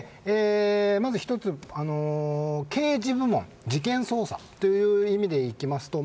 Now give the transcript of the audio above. まず一つ、刑事部門、事件捜査という意味でいきますと